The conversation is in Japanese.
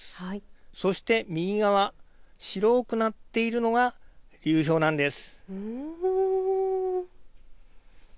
そして右側白くなっているのが流氷なんです。